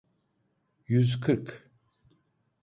Yüz kırk.